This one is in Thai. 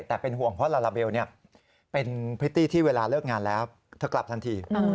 แต่เป็นห่วงเพราะลาลาเบลเป็นพริตตี้ที่เวลาเลิกงานแล้วเธอกลับทันที